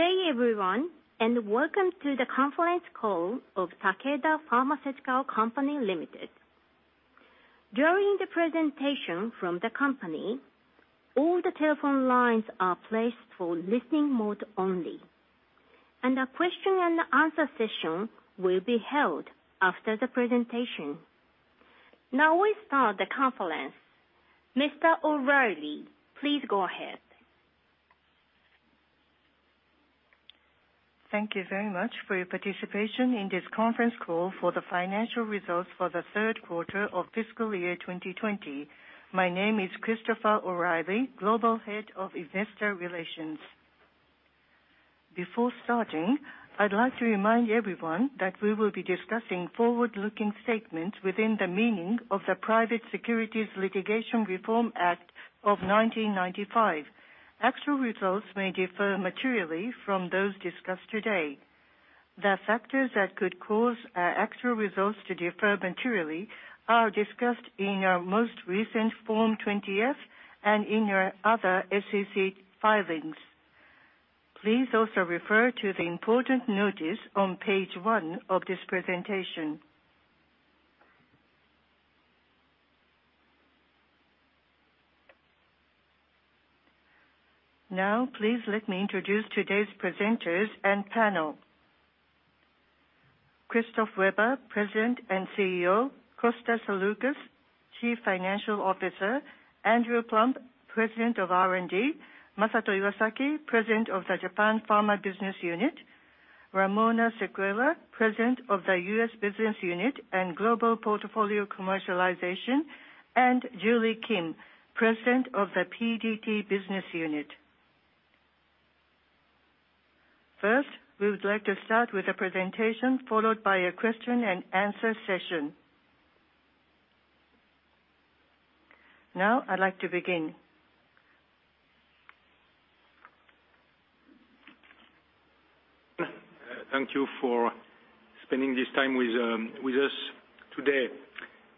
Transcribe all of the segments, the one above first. Good day, everyone, and welcome to the conference call of Takeda Pharmaceutical Company Limited. During the presentation from the company, all the telephone lines are placed for listening mode only, and a question-and-answer session will be held after the presentation. Now we start the conference. Mr. O'Reilly, please go ahead. Thank you very much for your participation in this conference call for the financial results for the third quarter of fiscal year 2020. My name is Christopher O'Reilly, Global Head of Investor Relations. Before starting, I'd like to remind everyone that we will be discussing forward-looking statements within the meaning of the Private Securities Litigation Reform Act of 1995. Actual results may differ materially from those discussed today. The factors that could cause actual results to differ materially are discussed in our most recent Form 20-F and in our other SEC filings. Please also refer to the important notice on page one of this presentation. Now, please let me introduce today's presenters and panel. Christophe Weber, President and CEO, Costa Saroukos, Chief Financial Officer, Andrew Plump, President of R&D, Masato Iwasaki, President of the Japan Pharma Business Unit, Ramona Sequeira, President of the US Business Unit and Global Portfolio Commercialization, and Julie Kim, President of the PDT Business Unit. First, we would like to start with a presentation followed by a question-and-answer session. Now, I'd like to begin. Thank you for spending this time with us today.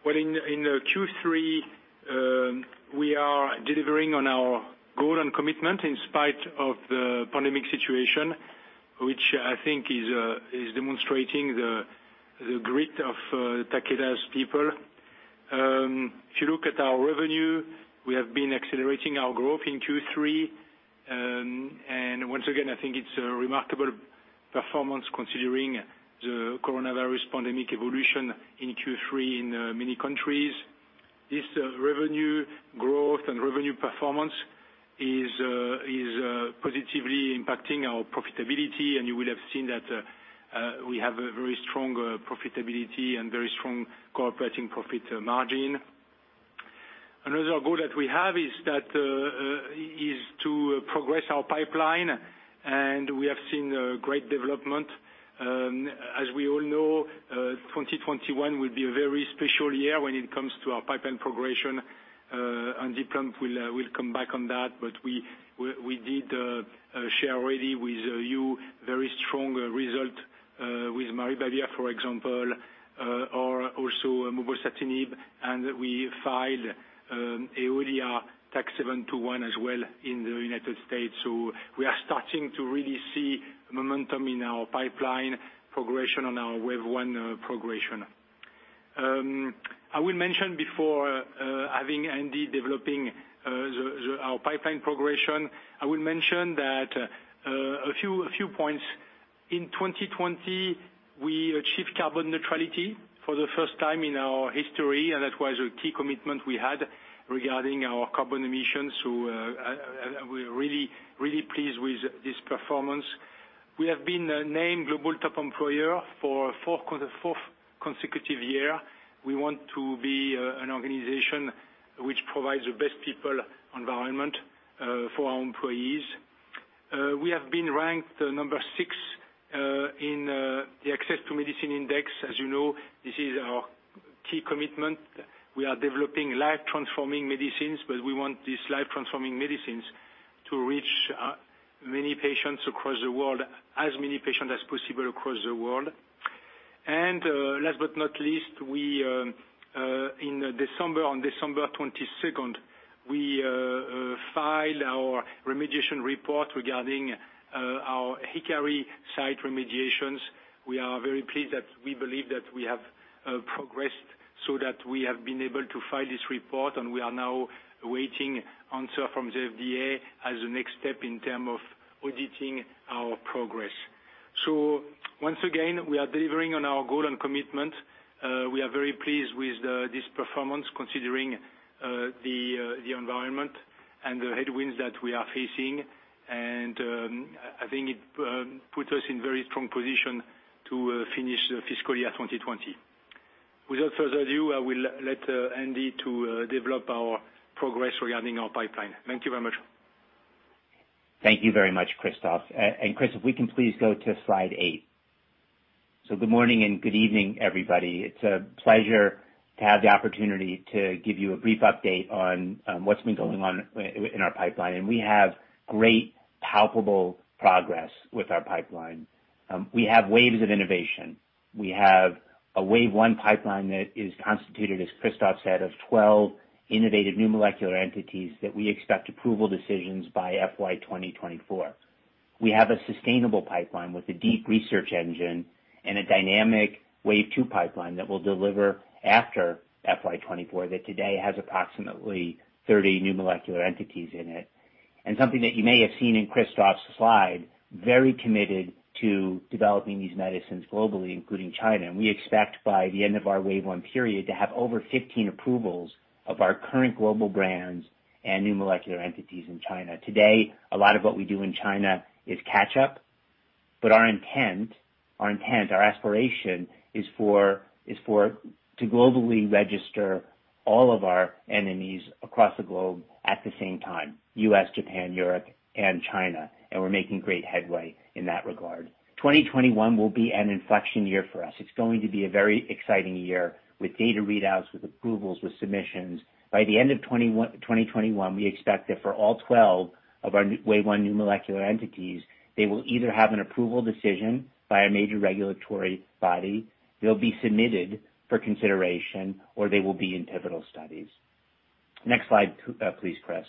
In Q3, we are delivering on our goal and commitment in spite of the pandemic situation, which I think is demonstrating the grit of Takeda's people. If you look at our revenue, we have been accelerating our growth in Q3, and once again, I think it's a remarkable performance considering the coronavirus pandemic evolution in Q3 in many countries. This revenue growth and revenue performance is positively impacting our profitability, and you will have seen that we have a very strong profitability and very strong core operating profit margin. Another goal that we have is to progress our pipeline, and we have seen great development. As we all know, 2021 will be a very special year when it comes to our pipeline progression, and Andrew Plump will come back on that, but we did share already with you very strong results with maribavir, for example, or also mobocertinib, and we filed Eohilia TAK-721 as well in the United States. So we are starting to really see momentum in our pipeline progression and our Wave 1 progression. I will mention before having Andy developing our pipeline progression, I will mention that a few points. In 2020, we achieved carbon neutrality for the first time in our history, and that was a key commitment we had regarding our carbon emissions, so we're really, really pleased with this performance. We have been named Global Top Employer for the fourth consecutive year. We want to be an organization which provides the best people environment for our employees. We have been ranked number six in the Access to Medicine Index. As you know, this is our key commitment. We are developing life-transforming medicines, but we want these life-transforming medicines to reach many patients across the world, as many patients as possible across the world. Last but not least, on December 22nd, we filed our remediation report regarding our Hikari site remediations. We are very pleased that we believe that we have progressed so that we have been able to file this report, and we are now awaiting answer from the FDA as a next step in terms of auditing our progress. Once again, we are delivering on our goal and commitment. We are very pleased with this performance considering the environment and the headwinds that we are facing, and I think it puts us in a very strong position to finish the fiscal year 2020. Without further ado, I will let Andy to develop our progress regarding our pipeline. Thank you very much. Thank you very much, Christophe. Christophe, if we can please go to slide eight. Good morning and good evening, everybody. It's a pleasure to have the opportunity to give you a brief update on what's been going on in our pipeline, and we have great palpable progress with our pipeline. We have waves of innovation. We have a Wave 1 pipeline that is constituted, as Christophe said, of 12 innovative new molecular entities that we expect approval decisions by FY 2024. We have a sustainable pipeline with a deep research engine and a dynamic Wave 2 pipeline that will deliver after FY 2024 that today has approximately 30 new molecular entities in it. And something that you may have seen in Christophe's slide, very committed to developing these medicines globally, including China, and we expect by the end of our Wave 1 period to have over 15 approvals of our current global brands and new molecular entities in China. Today, a lot of what we do in China is catch-up, but our intent, our aspiration is to globally register all of our NMEs across the globe at the same time: US, Japan, Europe, and China, and we're making great headway in that regard. 2021 will be an inflection year for us. It's going to be a very exciting year with data readouts, with approvals, with submissions. By the end of 2021, we expect that for all 12 of our Wave 1 new molecular entities, they will either have an approval decision by a major regulatory body, they'll be submitted for consideration, or they will be in pivotal studies. Next slide, please, Chris.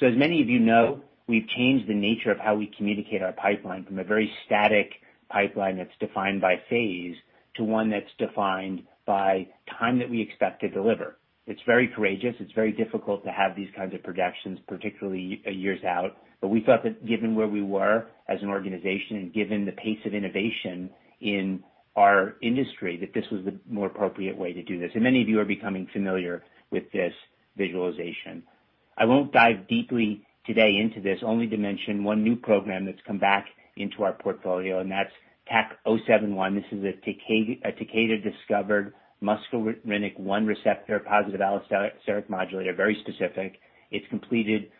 So as many of you know, we've changed the nature of how we communicate our pipeline from a very static pipeline that's defined by phase to one that's defined by time that we expect to deliver. It's very courageous. It's very difficult to have these kinds of projections, particularly years out, but we thought that given where we were as an organization and given the pace of innovation in our industry, that this was the more appropriate way to do this. And many of you are becoming familiar with this visualization. I won't dive deeply today into this, only to mention one new program that's come back into our portfolio, and that's TAK-071. This is a Takeda-discovered muscarinic-1 receptor positive allosteric modulator, very specific. It's completed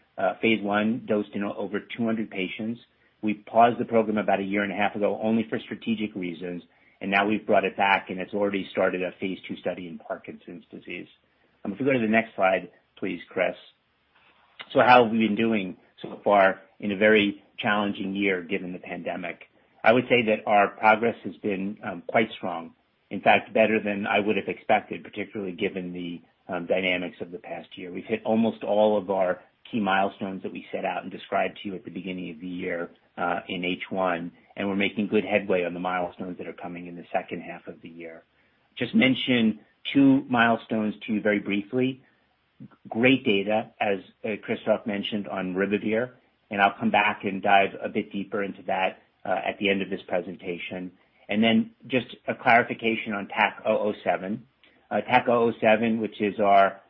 phase one, dosed in over 200 patients. We paused the program about a year and a half ago only for strategic reasons, and now we've brought it back, and it's already started a phase two study in Parkinson's disease. If we go to the next slide, please, Chris. So how have we been doing so far in a very challenging year given the pandemic? I would say that our progress has been quite strong, in fact, better than I would have expected, particularly given the dynamics of the past year. We've hit almost all of our key milestones that we set out and described to you at the beginning of the year in H1, and we're making good headway on the milestones that are coming in the second half of the year. Just mention two milestones to you very briefly. Great data, as Christophe mentioned, on Maribavir, and I'll come back and dive a bit deeper into that at the end of this presentation, and then just a clarification on TAK-007. TAK-007, which is our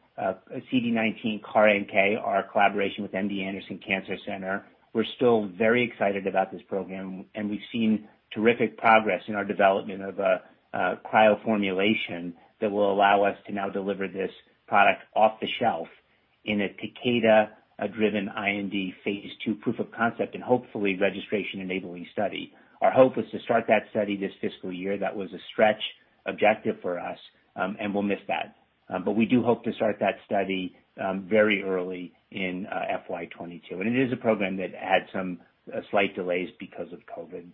CD19 CAR-NK, our collaboration with MD Anderson Cancer Center. We're still very excited about this program, and we've seen terrific progress in our development of a cryoformulation that will allow us to now deliver this product off the shelf in a Takeda-driven IND phase two proof of concept and hopefully registration-enabling study. Our hope was to start that study this fiscal year. That was a stretch objective for us, and we'll miss that. But we do hope to start that study very early in FY 2022, and it is a program that had some slight delays because of COVID.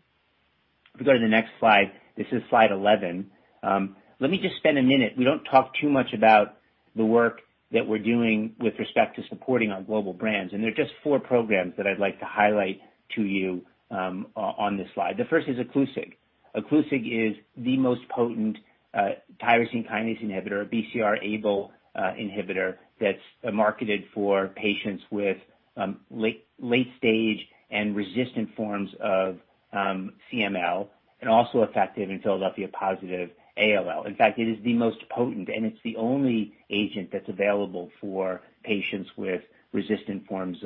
If we go to the next slide, this is slide 11. Let me just spend a minute. We don't talk too much about the work that we're doing with respect to supporting our global brands, and there are just four programs that I'd like to highlight to you on this slide. The first is Iclusig. Iclusig is the most potent tyrosine kinase inhibitor, a BCR-ABL inhibitor that's marketed for patients with late-stage and resistant forms of CML and also effective in Philadelphia-positive ALL. In fact, it is the most potent, and it's the only agent that's available for patients with resistant forms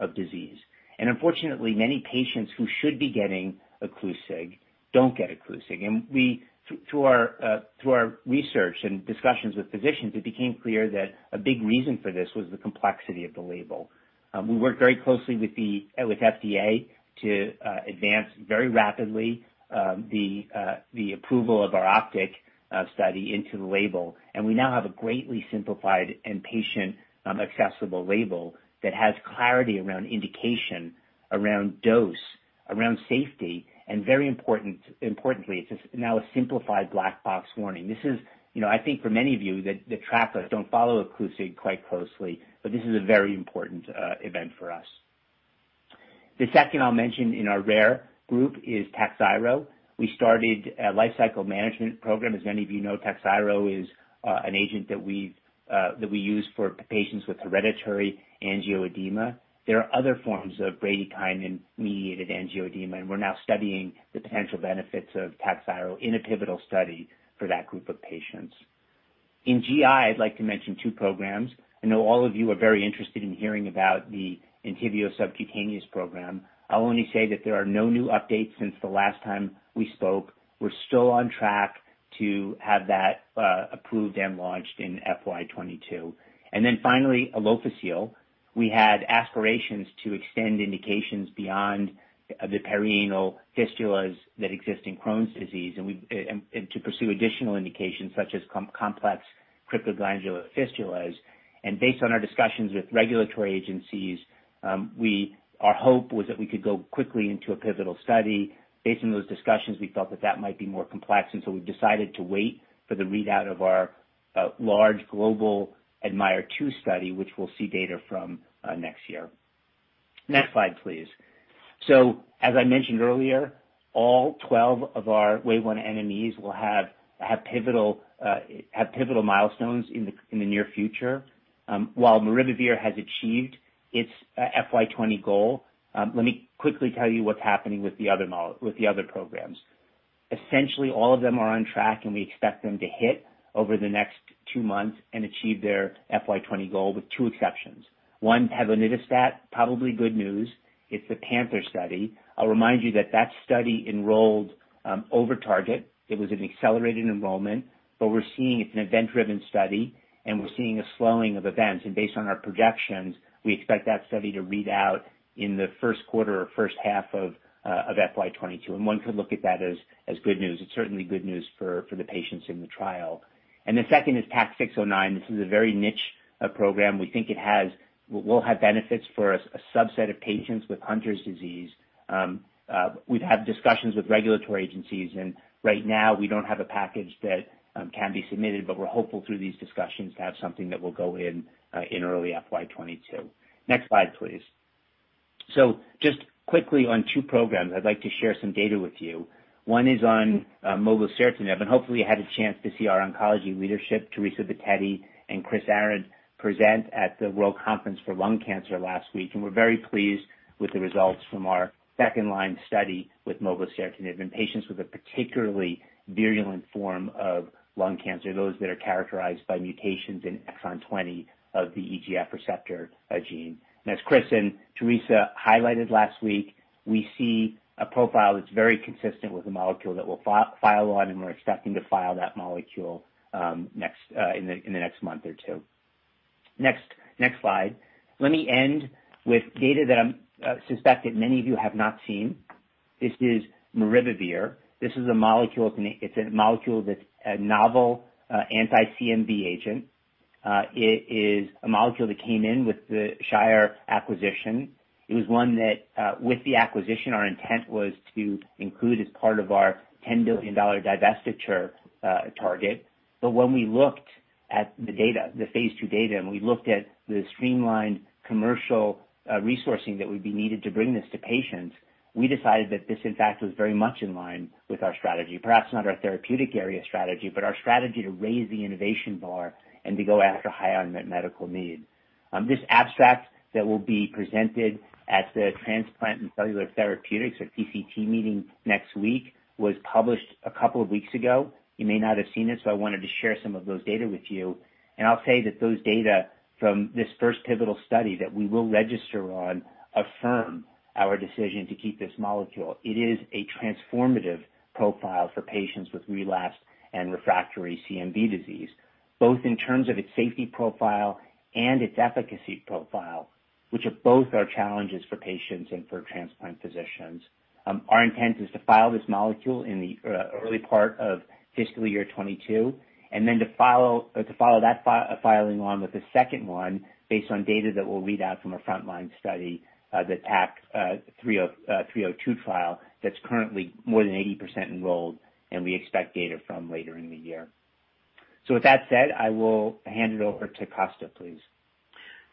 of disease. Unfortunately, many patients who should be getting Iclusig don't get Iclusig. Through our research and discussions with physicians, it became clear that a big reason for this was the complexity of the label. We worked very closely with FDA to advance very rapidly the approval of our OPTIC study into the label, and we now have a greatly simplified and patient-accessible label that has clarity around indication, around dose, around safety, and very importantly, it's now a simplified black box warning. This is, I think for many of you that the trackers don't follow Iclusig quite closely, but this is a very important event for us. The second I'll mention in our rare group is Takhzyro. We started a life-cycle management program. As many of you know, Takhzyro is an agent that we use for patients with hereditary angioedema. There are other forms of bradykinin-mediated angioedema, and we're now studying the potential benefits of Takhzyro in a pivotal study for that group of patients. In GI, I'd like to mention two programs. I know all of you are very interested in hearing about the Entyvio subcutaneous program. I'll only say that there are no new updates since the last time we spoke. We're still on track to have that approved and launched in FY 2022, and then finally, Alofisel. We had aspirations to extend indications beyond the perianal fistulas that exist in Crohn's disease and to pursue additional indications such as complex cryptoglandular fistulas, and based on our discussions with regulatory agencies, our hope was that we could go quickly into a pivotal study. Based on those discussions, we felt that that might be more complex, and so we've decided to wait for the readout of our large global Admire-2 study, which we'll see data from next year. Next slide, please. So as I mentioned earlier, all 12 of our Wave 1 NMEs will have pivotal milestones in the near future. While Maribavir has achieved its FY 20 goal, let me quickly tell you what's happening with the other programs. Essentially, all of them are on track, and we expect them to hit over the next two months and achieve their FY 20 goal with two exceptions. One, Pevonedistat, probably good news. It's the PANTHER study. I'll remind you that that study enrolled over target. It was an accelerated enrollment, but we're seeing it's an event-driven study, and we're seeing a slowing of events. Based on our projections, we expect that study to read out in the first quarter or first half of FY 2022, and one could look at that as good news. It's certainly good news for the patients in the trial. The second is TAK-609. This is a very niche program. We think it will have benefits for a subset of patients with Hunter's disease. We've had discussions with regulatory agencies, and right now, we don't have a package that can be submitted, but we're hopeful through these discussions to have something that will go in early FY 2022. Next slide, please. Just quickly on two programs, I'd like to share some data with you. One is on Mobocertinib, and hopefully, you had a chance to see our oncology leadership, Teresa Bitetti and Chris Arendt, present at the World Conference on Lung Cancer last week, and we're very pleased with the results from our second-line study with Mobocertinib in patients with a particularly virulent form of lung cancer, those that are characterized by mutations in exon 20 of the EGFR gene, and as Chris and Teresa highlighted last week, we see a profile that's very consistent with a molecule that we'll file on, and we're expecting to file that molecule in the next month or two. Next slide. Let me end with data that I suspect that many of you have not seen. This is Maribavir. This is a molecule that's a novel anti-CMV agent. It is a molecule that came in with the Shire acquisition. It was one that, with the acquisition, our intent was to include as part of our $10 billion divestiture target. But when we looked at the phase two data and we looked at the streamlined commercial resourcing that would be needed to bring this to patients, we decided that this, in fact, was very much in line with our strategy. Perhaps not our therapeutic area strategy, but our strategy to raise the innovation bar and to go after high unmet medical need. This abstract that will be presented at the Transplant and Cellular Therapeutics, or TCT, meeting next week was published a couple of weeks ago. You may not have seen it, so I wanted to share some of those data with you. And I'll say that those data from this first pivotal study that we will register on affirm our decision to keep this molecule. It is a transformative profile for patients with relapsed and refractory CMV disease, both in terms of its safety profile and its efficacy profile, which are both our challenges for patients and for transplant physicians. Our intent is to file this molecule in the early part of fiscal year 2022 and then to follow that filing on with the second one based on data that we'll read out from our frontline study, the TAK-302 trial that's currently more than 80% enrolled, and we expect data from later in the year. So with that said, I will hand it over to Costa, please.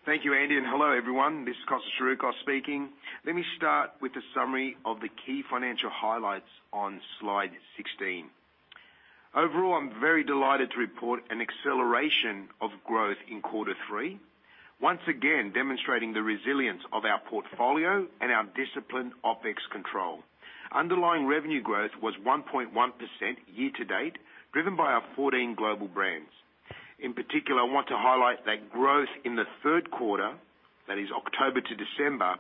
Thank you, Andy. And hello, everyone. This is Costa Saroukos speaking. Let me start with a summary of the key financial highlights on slide 16. Overall, I'm very delighted to report an acceleration of growth in quarter three, once again demonstrating the resilience of our portfolio and our disciplined Opex control. Underlying revenue growth was 1.1% year to date, driven by our 14 global brands. In particular, I want to highlight that growth in the third quarter, that is October to December,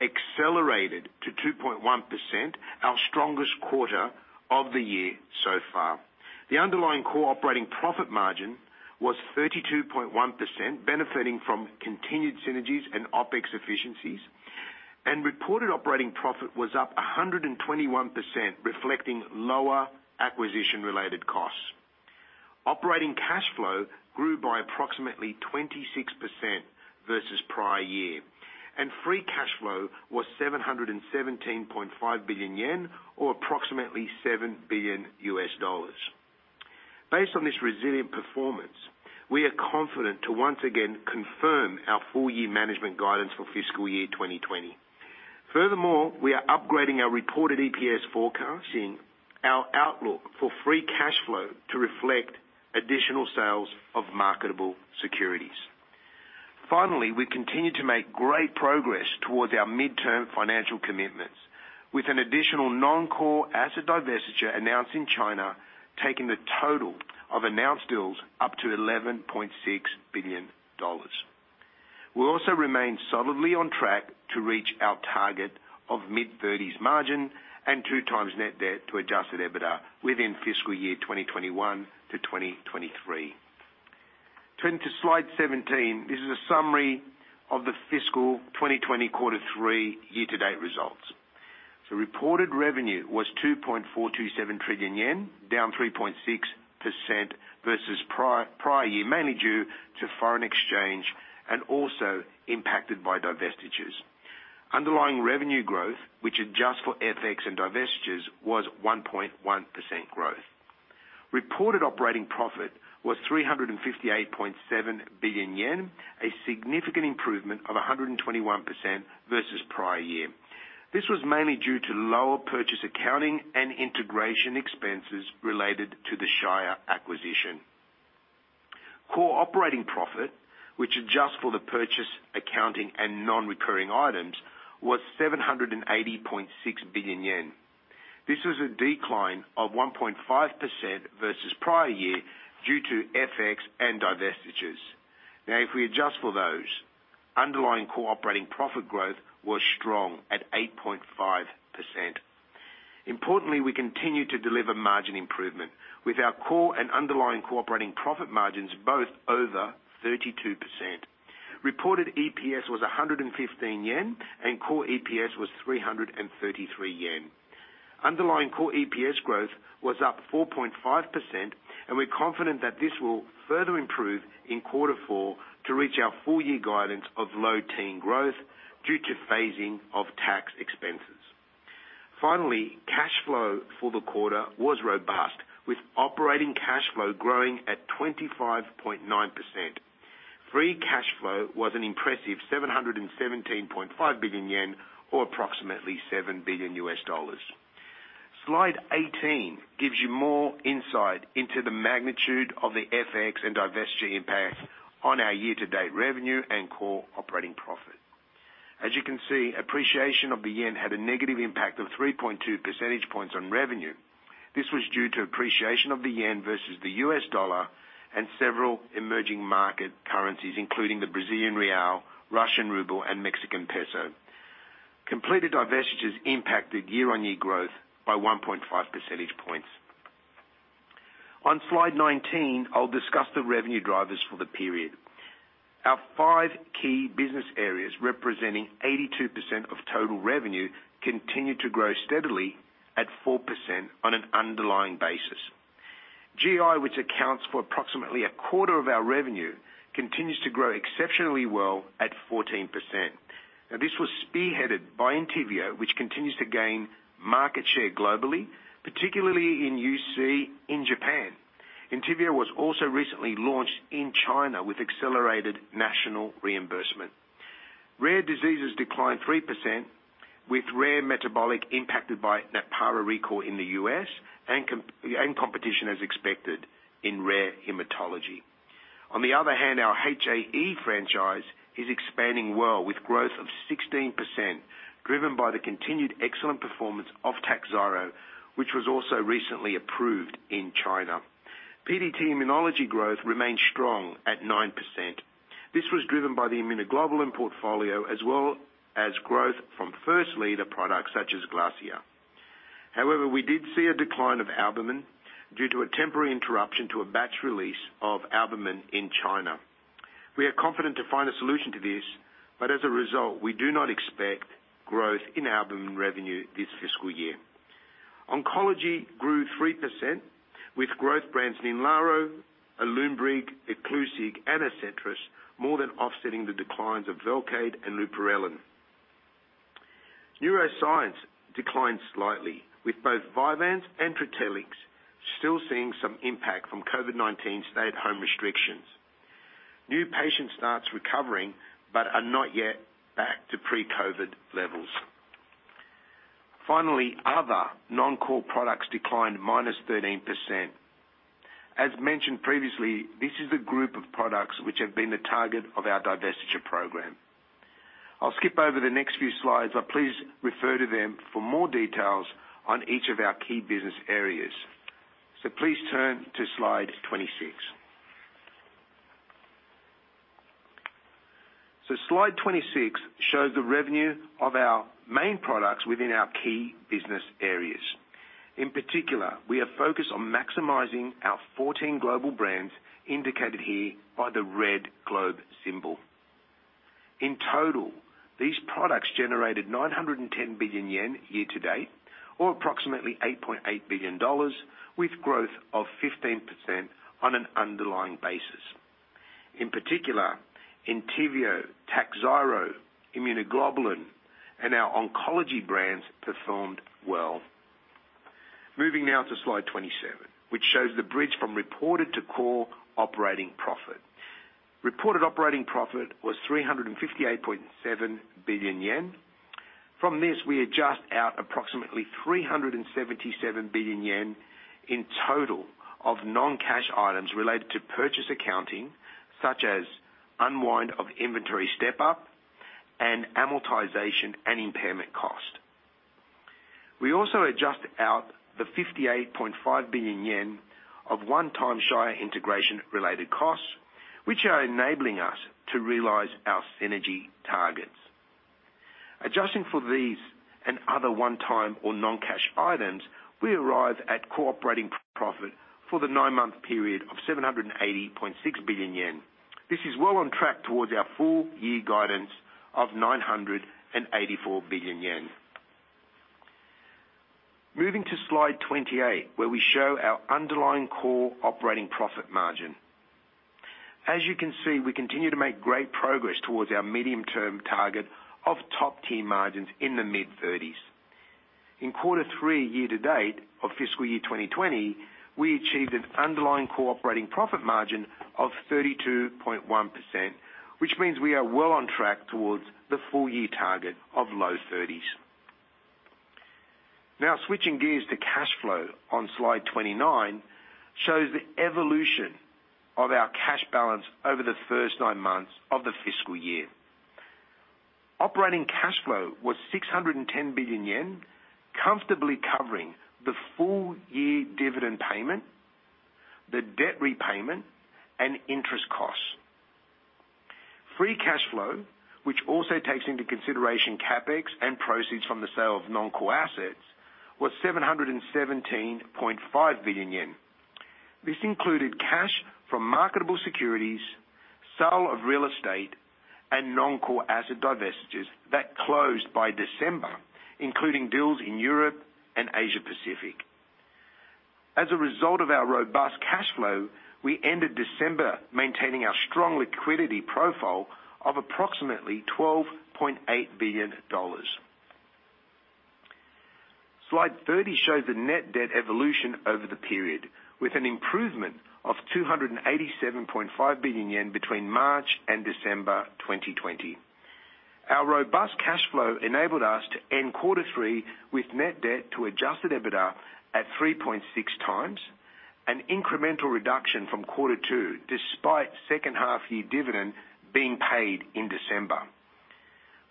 accelerated to 2.1%, our strongest quarter of the year so far. The underlying core operating profit margin was 32.1%, benefiting from continued synergies and Opex efficiencies, and reported operating profit was up 121%, reflecting lower acquisition-related costs. Operating cash flow grew by approximately 26% versus prior year, and free cash flow was 717.5 billion yen, or approximately $7 billion. Based on this resilient performance, we are confident to once again confirm our full year management guidance for fiscal year 2020. Furthermore, we are upgrading our reported EPS forecast, seeing our outlook for free cash flow to reflect additional sales of marketable securities. Finally, we continue to make great progress towards our midterm financial commitments, with an additional non-core asset divestiture announced in China taking the total of announced deals up to $11.6 billion. We also remain solidly on track to reach our target of mid-30s margin and two times net debt to adjusted EBITDA within fiscal year 2021 to 2023. Turning to slide 17, this is a summary of the fiscal 2020 quarter three year-to-date results. Reported revenue was 2.427 trillion yen, down 3.6% versus prior year, mainly due to foreign exchange and also impacted by divestitures. Underlying revenue growth, which adjusts for FX and divestitures, was 1.1% growth. Reported operating profit was 358.7 billion yen, a significant improvement of 121% versus prior year. This was mainly due to lower purchase accounting and integration expenses related to the Shire acquisition. Core operating profit, which adjusts for the purchase accounting and non-recurring items, was 780.6 billion yen. This was a decline of 1.5% versus prior year due to FX and divestitures. Now, if we adjust for those, underlying core operating profit growth was strong at 8.5%. Importantly, we continue to deliver margin improvement with our core and underlying core operating profit margins both over 32%. Reported EPS was 115 yen, and core EPS was 333 yen. Underlying core EPS growth was up 4.5%, and we're confident that this will further improve in quarter four to reach our full year guidance of low teen growth due to phasing of tax expenses. Finally, cash flow for the quarter was robust, with operating cash flow growing at 25.9%. Free cash flow was an impressive 717.5 billion yen, or approximately $7 billion. Slide 18 gives you more insight into the magnitude of the FX and divestiture impact on our year-to-date revenue and core operating profit. As you can see, appreciation of the yen had a negative impact of 3.2 percentage points on revenue. This was due to appreciation of the yen versus the US dollar and several emerging market currencies, including the Brazilian real, Russian ruble, and Mexican peso. Completed divestitures impacted year-on-year growth by 1.5 percentage points. On slide 19, I'll discuss the revenue drivers for the period. Our five key business areas representing 82% of total revenue continue to grow steadily at 4% on an underlying basis. GI, which accounts for approximately a quarter of our revenue, continues to grow exceptionally well at 14%. Now, this was spearheaded by Entyvio, which continues to gain market share globally, particularly in UC in Japan. Entyvio was also recently launched in China with accelerated national reimbursement. Rare diseases declined 3%, with rare metabolic impacted by Natpara recall in the U.S. and competition, as expected, in rare hematology. On the other hand, our HAE franchise is expanding well with growth of 16%, driven by the continued excellent performance of Takhzyro, which was also recently approved in China. PDT immunology growth remains strong at 9%. This was driven by the Immunoglobulin portfolio as well as growth from first leader products such as Glassia. However, we did see a decline of albumin due to a temporary interruption to a batch release of albumin in China. We are confident to find a solution to this, but as a result, we do not expect growth in albumin revenue this fiscal year. Oncology grew 3%, with growth brands Ninlaro, Alumbrig, Iclusig, and Adcetris more than offsetting the declines of Velcade and Leuplin. Neuroscience declined slightly, with both Vyvanse and Trintellix still seeing some impact from COVID-19 stay-at-home restrictions. New patients start recovering but are not yet back to pre-COVID levels. Finally, other non-core products declined -13%. As mentioned previously, this is the group of products which have been the target of our divestiture program. I'll skip over the next few slides, but please refer to them for more details on each of our key business areas. So please turn to slide 26. So slide 26 shows the revenue of our main products within our key business areas. In particular, we are focused on maximizing our 14 global brands indicated here by the red globe symbol. In total, these products generated 910 billion yen year-to-date, or approximately $8.8 billion, with growth of 15% on an underlying basis. In particular, Entyvio, Takhzyro, Immunoglobulin, and our oncology brands performed well. Moving now to slide 27, which shows the bridge from reported to core operating profit. Reported operating profit was 358.7 billion yen. From this, we adjust out approximately 377 billion yen in total of non-cash items related to purchase accounting, such as unwind of inventory step-up and amortization and impairment cost. We also adjust out the 58.5 billion yen of one-time Shire integration-related costs, which are enabling us to realize our synergy targets. Adjusting for these and other one-time or non-cash items, we arrive at core operating profit for the nine-month period of 780.6 billion yen. This is well on track towards our full year guidance of 984 billion yen. Moving to slide 28, where we show our underlying core operating profit margin. As you can see, we continue to make great progress towards our medium-term target of top-tier margins in the mid-30s. In quarter three year-to-date of fiscal year 2020, we achieved an underlying core operating profit margin of 32.1%, which means we are well on track towards the full year target of low 30s. Now, switching gears to cash flow, on slide 29 shows the evolution of our cash balance over the first nine months of the fiscal year. Operating cash flow was 610 billion yen, comfortably covering the full year dividend payment, the debt repayment, and interest costs. Free cash flow, which also takes into consideration CapEx and proceeds from the sale of non-core assets, was 717.5 billion yen. This included cash from marketable securities, sale of real estate, and non-core asset divestitures that closed by December, including deals in Europe and Asia-Pacific. As a result of our robust cash flow, we ended December maintaining our strong liquidity profile of approximately $12.8 billion. Slide 30 shows the net debt evolution over the period, with an improvement of 287.5 billion yen between March and December 2020. Our robust cash flow enabled us to end quarter three with net debt to adjusted EBITDA at 3.6 times, an incremental reduction from quarter two despite second-half year dividend being paid in December.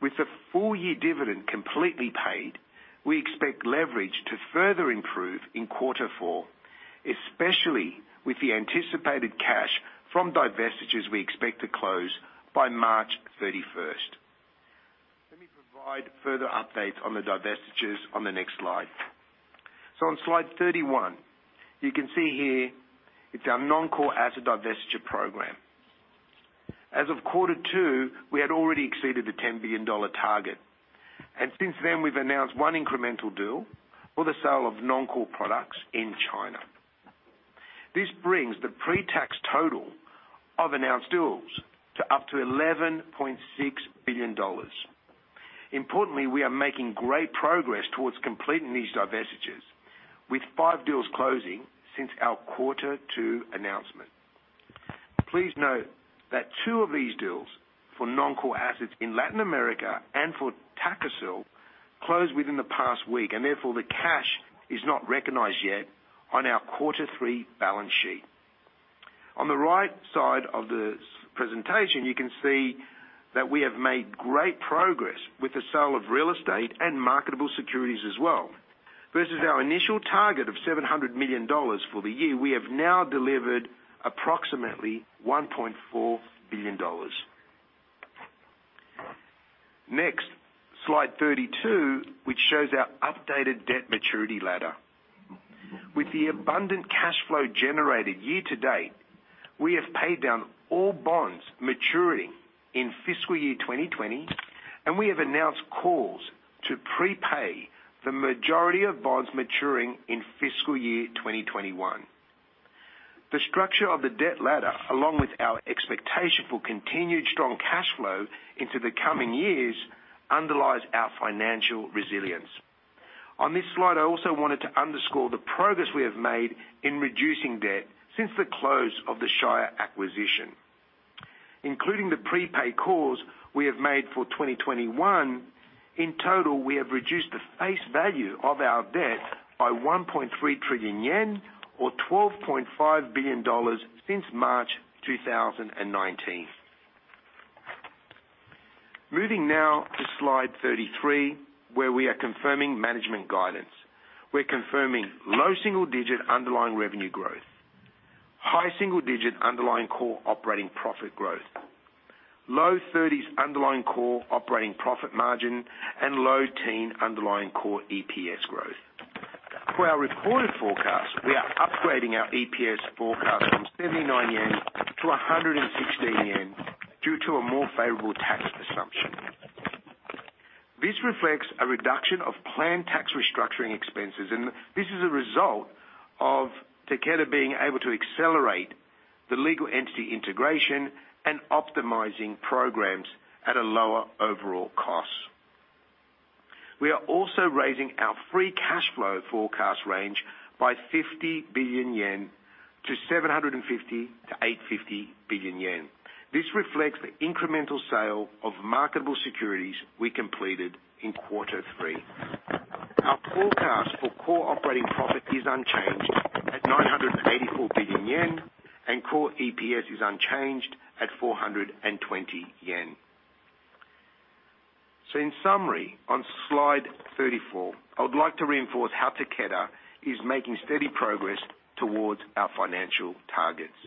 With the full year dividend completely paid, we expect leverage to further improve in quarter four, especially with the anticipated cash from divestitures we expect to close by March 31st. Let me provide further updates on the divestitures on the next slide. On slide 31, you can see here it's our non-core asset divestiture program. As of quarter two, we had already exceeded the $10 billion target, and since then, we've announced one incremental deal for the sale of non-core products in China. This brings the pre-tax total of announced deals to up to $11.6 billion. Importantly, we are making great progress towards completing these divestitures, with five deals closing since our quarter two announcement. Please note that two of these deals for non-core assets in Latin America and for Takhzyro closed within the past week, and therefore the cash is not recognized yet on our quarter three balance sheet. On the right side of the presentation, you can see that we have made great progress with the sale of real estate and marketable securities as well. Versus our initial target of $700 million for the year, we have now delivered approximately $1.4 billion. Next, slide 32, which shows our updated debt maturity ladder. With the abundant cash flow generated year-to-date, we have paid down all bonds maturing in fiscal year 2020, and we have announced calls to prepay the majority of bonds maturing in fiscal year 2021. The structure of the debt ladder, along with our expectation for continued strong cash flow into the coming years, underlies our financial resilience. On this slide, I also wanted to underscore the progress we have made in reducing debt since the close of the Shire acquisition. Including the prepay calls we have made for 2021, in total, we have reduced the face value of our debt by 1.3 trillion yen, or $12.5 billion since March 2019. Moving now to slide 33, where we are confirming management guidance. We're confirming low single-digit underlying revenue growth, high single-digit underlying core operating profit growth, low 30s underlying core operating profit margin, and low teen underlying core EPS growth. For our reported forecast, we are upgrading our EPS forecast from 79 yen to 116 yen due to a more favorable tax assumption. This reflects a reduction of planned tax restructuring expenses, and this is a result of Takeda being able to accelerate the legal entity integration and optimizing programs at a lower overall cost. We are also raising our free cash flow forecast range by 50 billion yen to 750 billion-850 billion yen. This reflects the incremental sale of marketable securities we completed in quarter three. Our forecast for core operating profit is unchanged at 984 billion yen, and core EPS is unchanged at 420 yen. In summary, on slide 34, I would like to reinforce how Takeda is making steady progress towards our financial targets.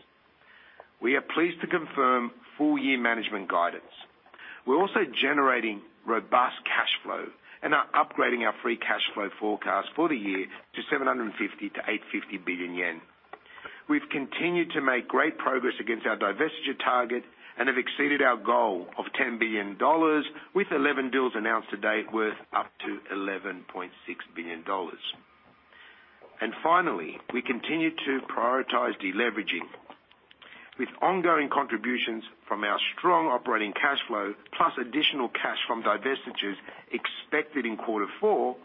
We are pleased to confirm full year management guidance. We're also generating robust cash flow and are upgrading our free cash flow forecast for the year to 750 billion-850 billion yen. We've continued to make great progress against our divestiture target and have exceeded our goal of $10 billion, with 11 deals announced to date worth up to $11.6 billion. And finally, we continue to prioritize deleveraging. With ongoing contributions from our strong operating cash flow, plus additional cash from divestitures expected in quarter four,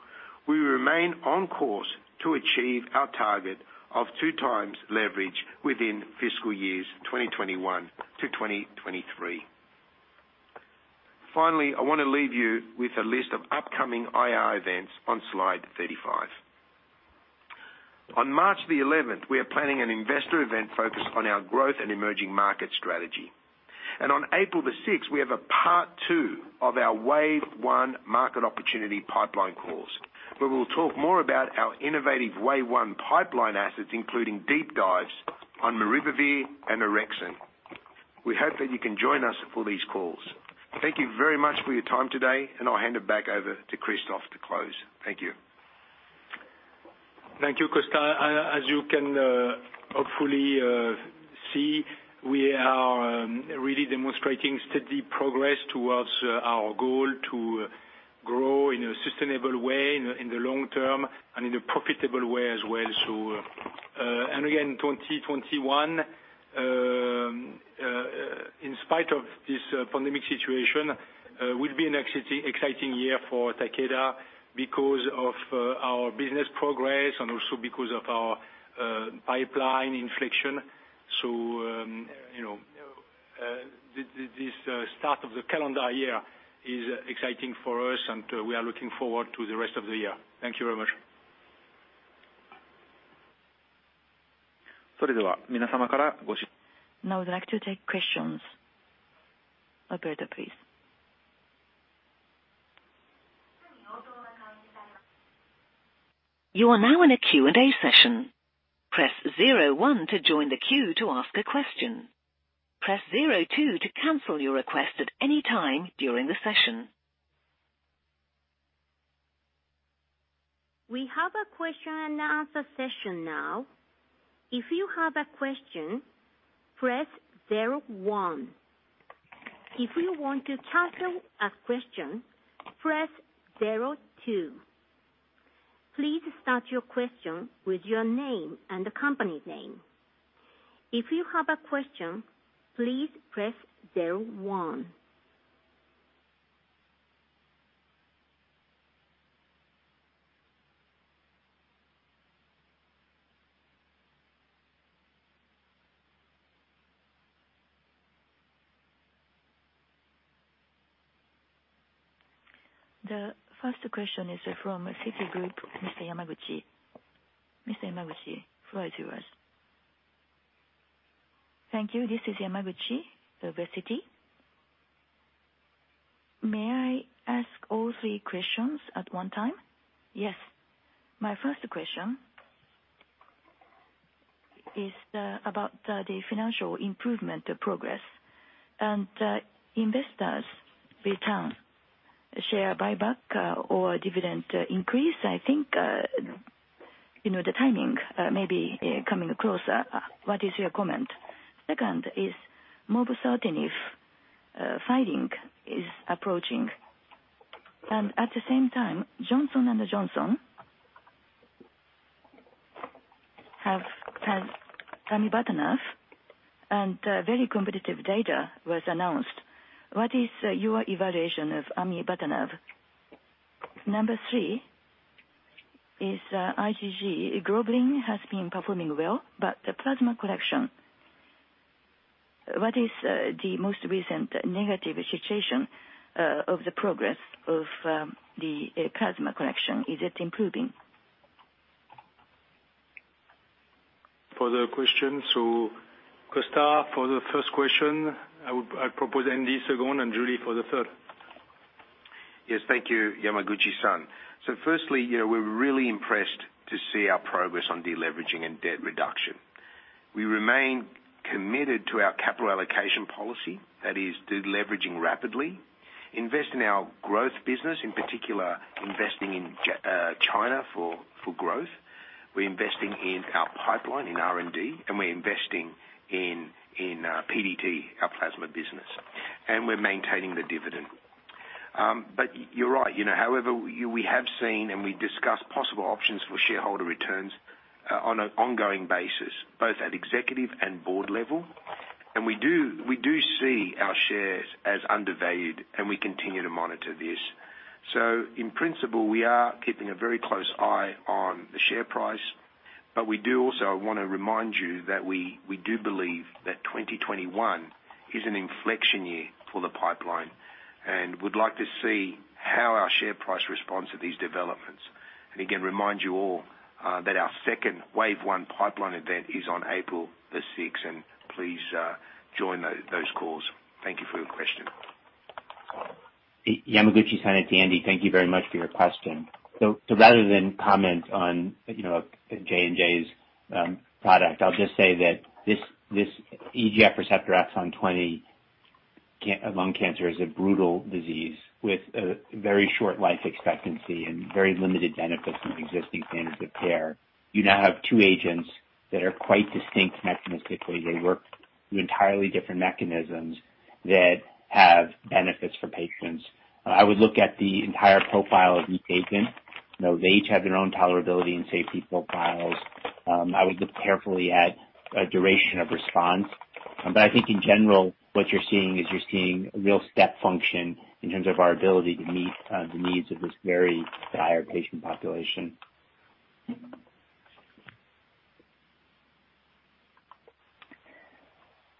we remain on course to achieve our target of two times leverage within fiscal years 2021 to 2023. Finally, I want to leave you with a list of upcoming IR events on slide 35. On March the 11th, we are planning an investor event focused on our growth and emerging market strategy, and on April the 6th, we have a part two of our Wave One market opportunity pipeline calls, where we'll talk more about our innovative Wave One pipeline assets, including deep dives on maribavir and orexin. We hope that you can join us for these calls. Thank you very much for your time today, and I'll hand it back over to Christophe to close. Thank you. Thank you, Costa. As you can hopefully see, we are really demonstrating steady progress towards our goal to grow in a sustainable way in the long term and in a profitable way as well. So, and again, 2021, in spite of this pandemic situation, will be an exciting year for Takeda because of our business progress and also because of our pipeline inflection. So, you know, this start of the calendar year is exciting for us, and we are looking forward to the rest of the year. Thank you very much. それでは、皆様からご。Now, I'd like to take questions. Operator, please. You are now in a Q&A session. Press 01 to join the queue to ask a question. Press 02 to cancel your request at any time during the session. We have a question and answer session now. If you have a question, press 01. If you want to cancel a question, press 02. Please start your question with your name and the company name. If you have a question, please press 01. The first question is from Citigroup, Mr. Yamaguchi. Mr. Yamaguchi, the floor is yours. Thank you. This is Yamaguchi from Citi. May I ask all three questions at one time? Yes. My first question is about the financial improvement progress and investors' return share buyback or dividend increase. I think, you know, the timing may be coming closer. What is your comment? Second is Mobocertinib filing is approaching. And at the same time, Johnson & Johnson have had Amivantamab and very competitive data was announced. What is your evaluation of Amivantamab? Number three is IgG globulin has been performing well, but the plasma collection, what is the most recent negative situation of the progress of the plasma collection? Is it improving? Further questions. Christophe, for the first question, I propose Andy second and Julie for the third. Yes, thank you, Yamaguchi-san. So firstly, you know, we're really impressed to see our progress on deleveraging and debt reduction. We remain committed to our capital allocation policy, that is, deleveraging rapidly, investing in our growth business, in particular investing in China for growth. We're investing in our pipeline, in R&D, and we're investing in PDT, our plasma business. And we're maintaining the dividend. But you're right, you know, however, we have seen and we discussed possible options for shareholder returns on an ongoing basis, both at executive and board level. And we do see our shares as undervalued, and we continue to monitor this. So in principle, we are keeping a very close eye on the share price, but we do also want to remind you that we do believe that 2021 is an inflection year for the pipeline and would like to see how our share price responds to these developments. And again, remind you all that our second Wave One pipeline event is on April the 6th, and please join those calls. Thank you for your question. Yamaguchi-san and Andy, thank you very much for your question so rather than comment on, you know, J&J's product, I'll just say that this EGFR Exon 20 lung cancer is a brutal disease with a very short life expectancy and very limited benefits from existing standards of care. You now have two agents that are quite distinct mechanistically. They work through entirely different mechanisms that have benefits for patients. I would look at the entire profile of each agent. They each have their own tolerability and safety profiles. I would look carefully at duration of response but I think in general, what you're seeing is a real step function in terms of our ability to meet the needs of this very dire patient population.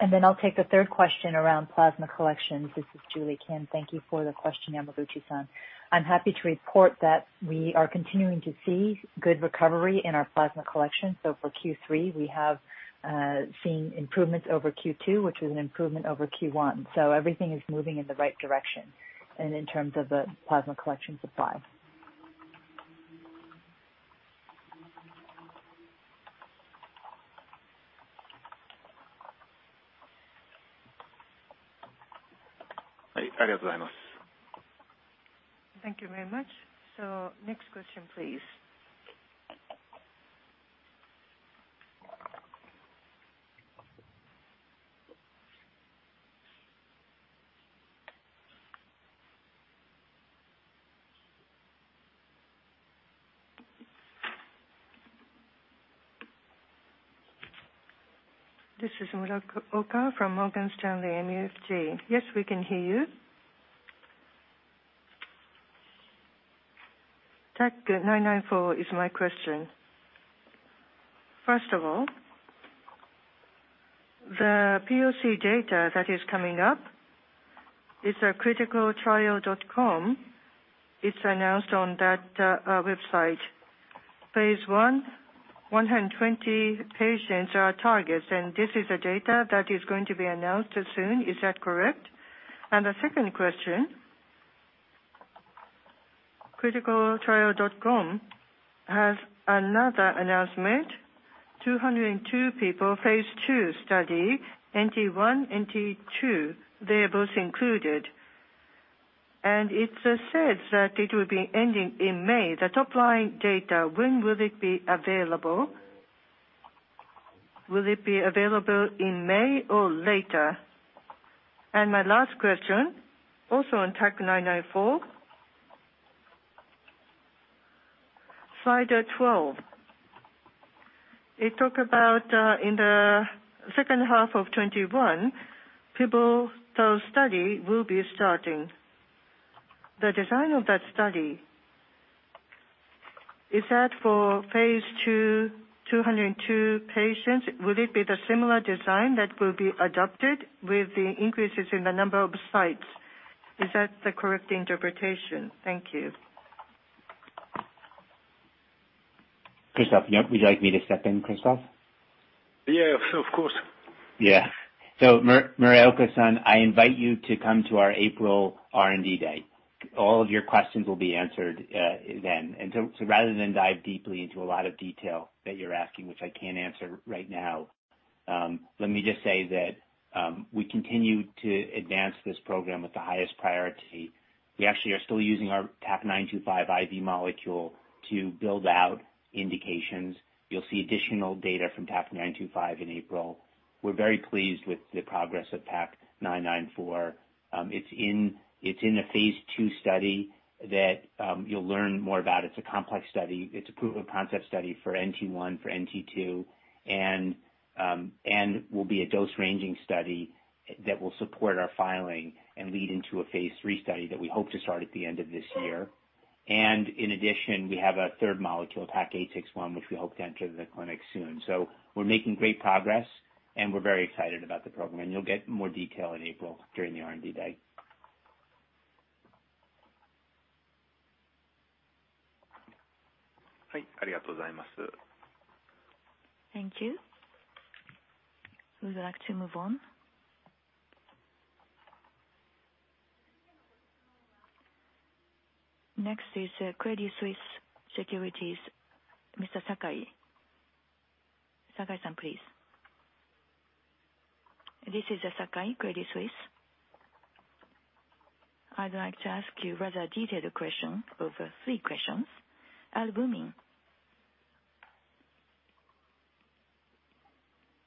And then I'll take the third question around plasma collections. This is Julie Kim. Thank you for the question, Yamaguchi-san. I'm happy to report that we are continuing to see good recovery in our plasma collection. So for Q3, we have seen improvements over Q2, which was an improvement over Q1. So everything is moving in the right direction in terms of the plasma collection supply. Thank you very much. So next question, please. This is Shinichiro Muraoka from Morgan Stanley MUFG. Yes, we can hear you. TAK-994 is my question. First of all, the POC data that is coming up, it's a clinicaltrials.gov. It's announced on that website. Phase 1, 120 patients are targets, and this is the data that is going to be announced soon. Is that correct? And the second question, clinicaltrials.gov has another announcement, 202 people, phase 2 study, NT1, NT2, they're both included. And it says that it will be ending in May. The top-line data, when will it be available? Will it be available in May or later? And my last question, also on TAK-994, slide 12, it talks about in the second half of 2021, people, those study will be starting. The design of that study, is that for phase 2, 202 patients? Will it be the similar design that will be adopted with the increases in the number of sites? Is that the correct interpretation? Thank you. Christophe, you would like me to step in, Christophe? Yeah, of course. Yeah, so Muraoka-san, I invite you to come to our April R&D Day. All of your questions will be answered then, and so rather than dive deeply into a lot of detail that you're asking, which I can't answer right now, let me just say that we continue to advance this program with the highest priority. We actually are still using our TAK-925 IV molecule to build out indications. You'll see additional data from TAK-925 in April. We're very pleased with the progress of TAK-994. It's in a phase two study that you'll learn more about. It's a complex study. It's a proof of concept study for NT1, for NT2, and will be a dose ranging study that will support our filing and lead into a phase three study that we hope to start at the end of this year. In addition, we have a third molecule, TAK-861, which we hope to enter the clinic soon. We're making great progress, and we're very excited about the program. You'll get more detail in April during the R&D Day. Thank you. Thank you. We would like to move on. Next is Credit Suisse Securities, Mr. Sakai. Sakai-san, please. This is Sakai, Credit Suisse. I'd like to ask you rather detailed question of three questions. Albumin.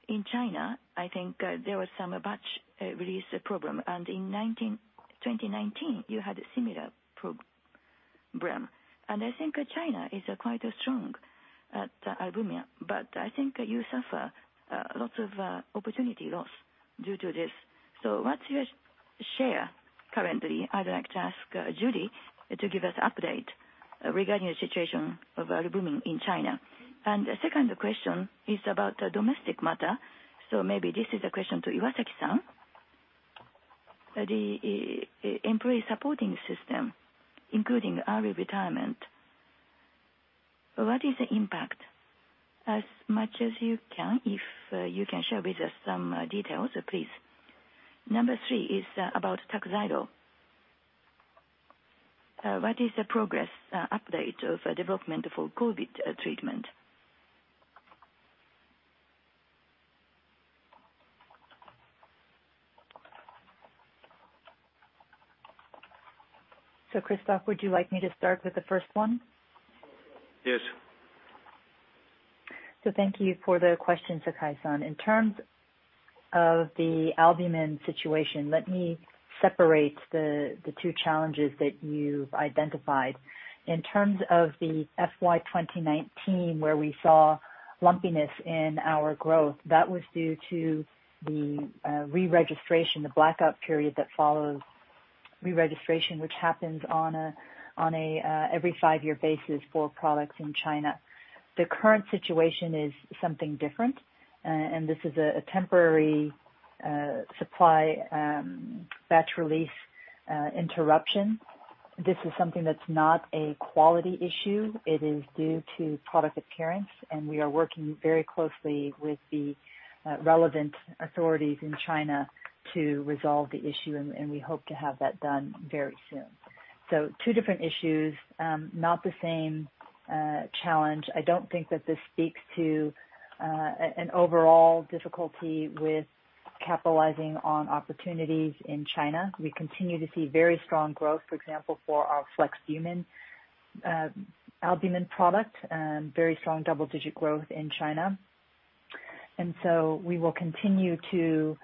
In China, I think there was some batch release problem. And in 2019, you had a similar problem. And I think China is quite strong at albumin, but I think you suffer lots of opportunity loss due to this. So what's your share currently? I'd like to ask Julie to give us an update regarding the situation of albumin in China. And the second question is about domestic matter. So maybe this is a question to Iwasaki-san. The employee supporting system, including early retirement, what is the impact? As much as you can, if you can share with us some details, please. Number three is about Takhzyro. What is the progress update of development for COVID-19 treatment? So Christophe, would you like me to start with the first one? Yes. Thank you for the question, Sakai-san. In terms of the albumin situation, let me separate the two challenges that you've identified. In terms of the FY 2019, where we saw lumpiness in our growth, that was due to the re-registration, the blackout period that follows re-registration, which happens on an every five-year basis for products in China. The current situation is something different, and this is a temporary supply batch release interruption. This is something that's not a quality issue. It is due to product appearance, and we are working very closely with the relevant authorities in China to resolve the issue, and we hope to have that done very soon. Two different issues, not the same challenge. I don't think that this speaks to an overall difficulty with capitalizing on opportunities in China. We continue to see very strong growth, for example, for our Flexbumin albumin product, very strong double-digit growth in China. And so we will continue to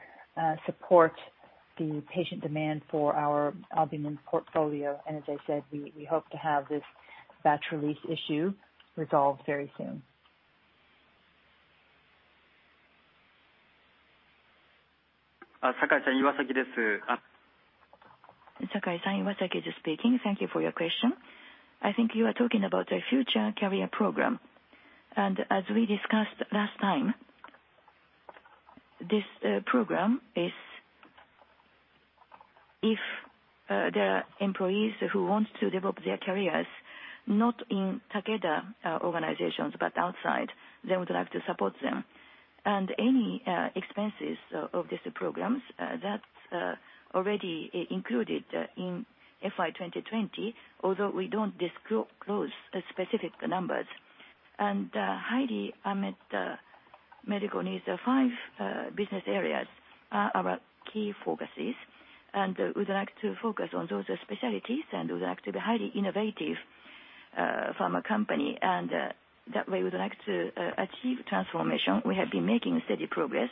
support the patient demand for our albumin portfolio. And as I said, we hope to have this batch release issue resolved very soon. Sakai-san, Iwasaki desu. Sakai-san, Iwasaki desu speaking. Thank you for your question. I think you are talking about the Future Career Program, and as we discussed last time, this program is if there are employees who want to develop their careers not in Takeda organizations, but outside, then we'd like to support them, and any expenses of this program that's already included in FY 2020, although we don't disclose specific numbers, and high ,unmet, medical, these five business areas are our key focuses, and we'd like to focus on those specialties, and we'd like to be a highly innovative pharma company, and that way, we'd like to achieve transformation. We have been making steady progress,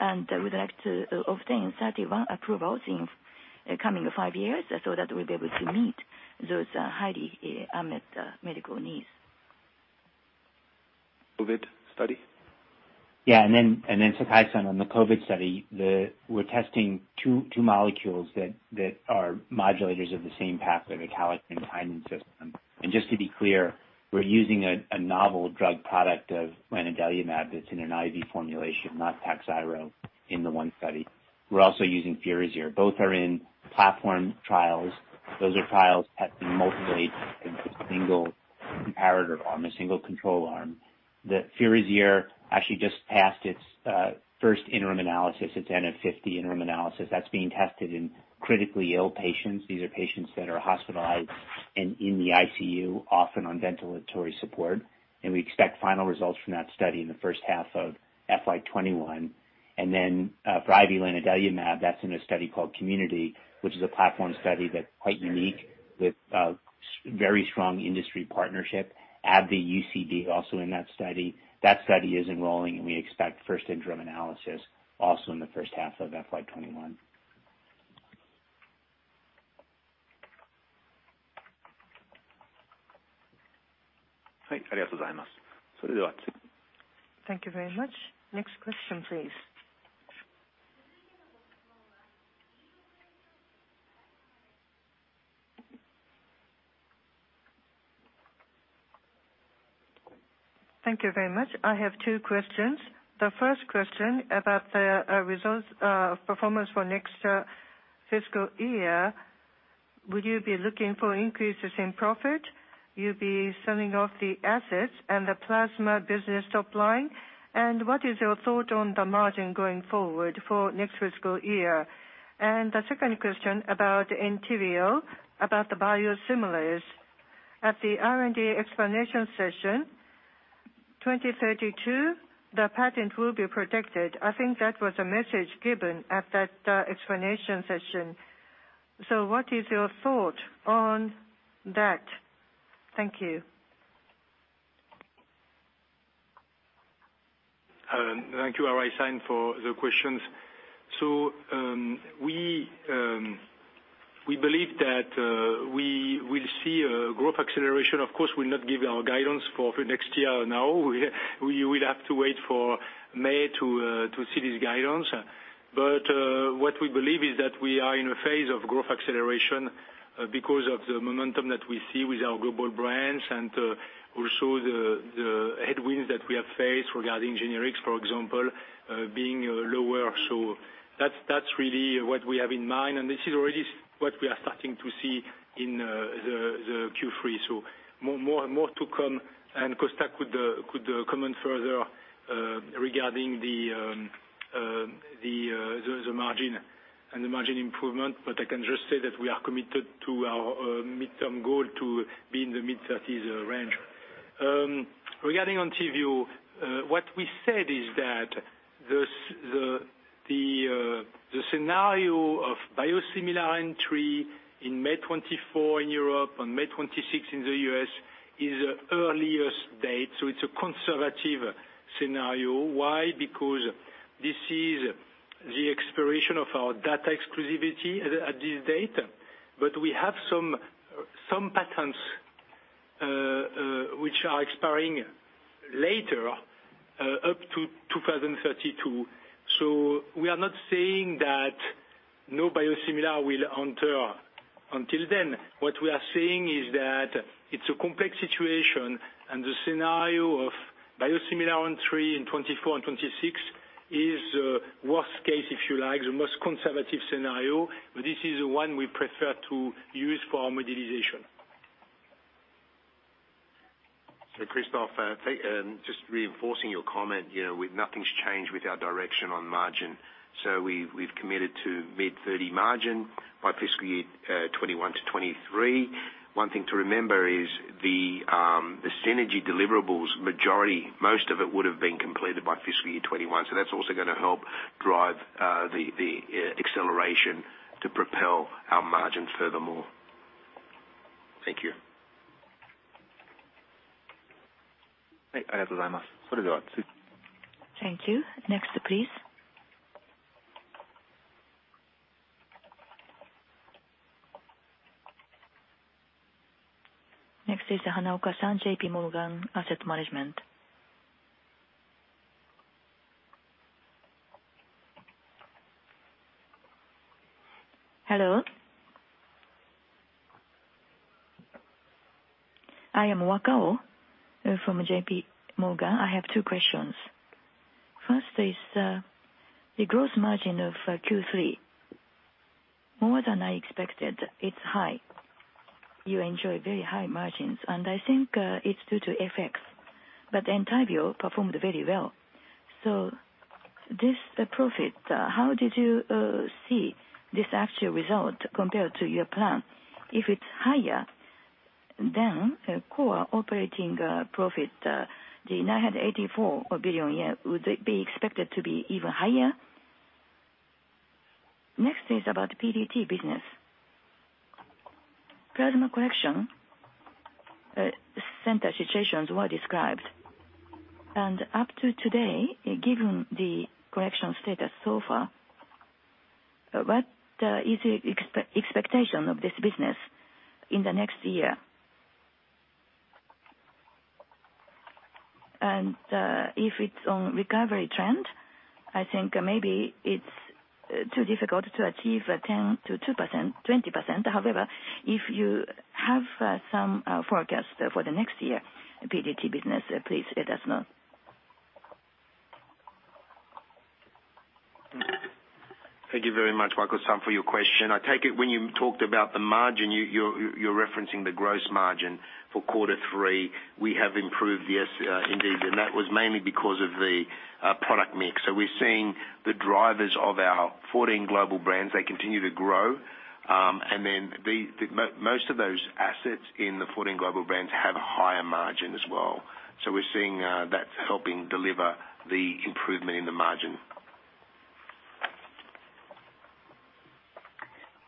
and we'd like to obtain 31 approvals in the coming five years so that we'll be able to meet those high, unmet, medical needs. COVID study? Yeah. And then Sakai-san, on the COVID study, we're testing two molecules that are modulators of the same pathway, the kallikrein-kinin system. And just to be clear, we're using a novel drug product of lanadelumab that's in an IV formulation, not Takhzyro in the one study. We're also using Firazyr. Both are in platform trials. Those are trials testing multiple single comparator arms, single control arm. The Firazyr actually just passed its first interim analysis, its n=50 interim analysis. That's being tested in critically ill patients. These are patients that are hospitalized and in the ICU, often on ventilatory support. And we expect final results from that study in the first half of FY 2021. And then for IV lanadelumab, that's in a study called Community, which is a platform study that's quite unique with very strong industry partnership. AbbVie, UCB also in that study. That study is enrolling, and we expect first interim analysis also in the first half of FY 2021. Thank you very much. Next question, please. Thank you very much. I have two questions. The first question about the results of performance for next fiscal year. Would you be looking for increases in profit? You'll be selling off the assets and the plasma business top line. And what is your thought on the margin going forward for next fiscal year? And the second question about Entyvio, about the biosimilars. At the R&D explanation session, 2032, the patent will be protected. I think that was a message given at that explanation session. So what is your thought on that? Thank you. Thank you, Arai-san, for the questions. So we believe that we will see a growth acceleration. Of course, we're not giving our guidance for next year now. We will have to wait for May to see this guidance. But what we believe is that we are in a phase of growth acceleration because of the momentum that we see with our global brands and also the headwinds that we have faced regarding generics, for example, being lower. So that's really what we have in mind. And this is already what we are starting to see in the Q3. So more to come. And Costa could comment further regarding the margin and the margin improvement. But I can just say that we are committed to our midterm goal to be in the mid-30s range. Regarding Entyvio, what we said is that the scenario of biosimilar entry in May 2024 in Europe and May 2026 in the U.S. is the earliest date. So it's a conservative scenario. Why? Because this is the expiration of our data exclusivity at this date. But we have some patents which are expiring later up to 2032. So we are not saying that no biosimilar will enter until then. What we are saying is that it's a complex situation, and the scenario of biosimilar entry in 2024 and 2026 is the worst case, if you like, the most conservative scenario. But this is the one we prefer to use for our modeling. Christophe, just reinforcing your comment, nothing's changed with our direction on margin. We've committed to mid-30 margin by fiscal year 2021 to 2023. One thing to remember is the synergy deliverables, majority, most of it would have been completed by fiscal year 2021. That's also going to help drive the acceleration to propel our margin furthermore. Thank you. Thank you. Next, please. Next is Wakao-san, J.P. Morgan Asset Management. Hello. I am Wakao from J.P. Morgan. I have two questions. First is the gross margin of Q3. More than I expected. It's high. You enjoy very high margins, and I think it's due to FX, but Entyvio performed very well, so this profit, how did you see this actual result compared to your plan? If it's higher, then core operating profit, the 984 billion yen, would it be expected to be even higher? Next is about PDT business. Plasma collection center situations were described, and up to today, given the collection status so far, what is the expectation of this business in the next year? And if it's on recovery trend, I think maybe it's too difficult to achieve 10%-20%. However, if you have some forecast for the next year PDT business, please let us know. Thank you very much, Wakao-san, for your question. I take it when you talked about the margin, you're referencing the gross margin for quarter three. We have improved, yes, indeed, and that was mainly because of the product mix, so we're seeing the drivers of our 14 global brands. They continue to grow, and then most of those assets in the 14 global brands have a higher margin as well, so we're seeing that's helping deliver the improvement in the margin.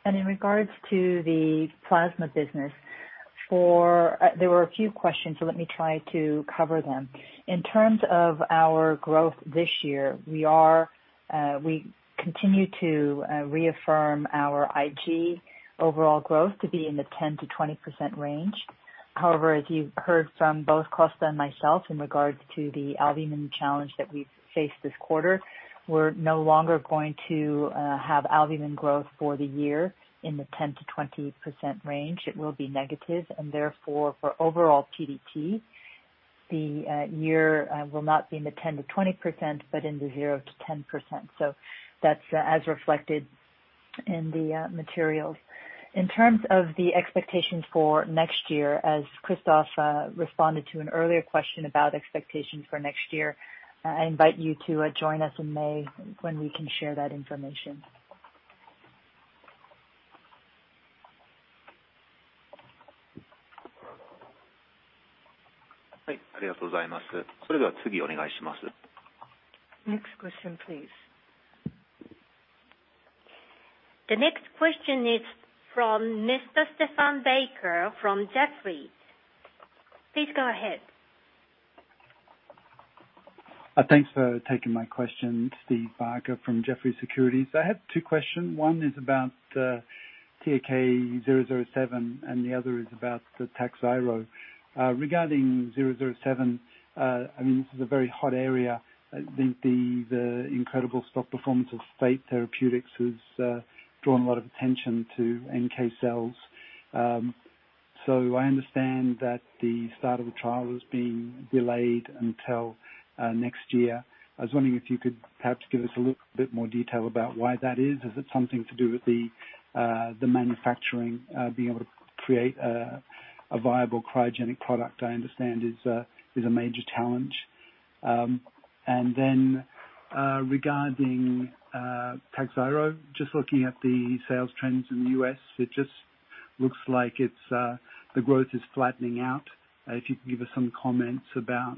In regards to the plasma business, there were a few questions, so let me try to cover them. In terms of our growth this year, we continue to reaffirm our IG overall growth to be in the 10%-20% range. However, as you heard from both Costa and myself in regards to the albumin challenge that we've faced this quarter, we're no longer going to have albumin growth for the year in the 10%-20% range. It will be negative. And therefore, for overall PDT, the year will not be in the 10%-20%, but in the 0%-10%. So that's as reflected in the materials. In terms of the expectations for next year, as Christophe responded to an earlier question about expectations for next year, I invite you to join us in May when we can share that information. Thank you. Next question, please. The next question is from Mr. Stephen Barker from Jefferies. Please go ahead. Thanks for taking my question, Stephen Barker from Jefferies. I have two questions. One is about TAK-007, and the other is about Takhzyro. Regarding 007, I mean, this is a very hot area. I think the incredible stock performance of Fate Therapeutics has drawn a lot of attention to NK cells. So I understand that the start of the trial is being delayed until next year. I was wondering if you could perhaps give us a little bit more detail about why that is. Is it something to do with the manufacturing, being able to create a viable cryogenic product, I understand, is a major challenge. And then regarding Takhzyro, just looking at the sales trends in the US, it just looks like the growth is flattening out. If you can give us some comments about